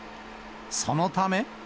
そのため。